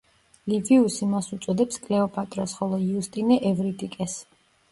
ლივიუსი მას უწოდებს კლეოპატრას, ხოლო იუსტინე ევრიდიკეს.